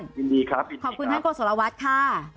ยินดีครับยินดีครับขอบคุณท่านโกสรวัสดิ์คะ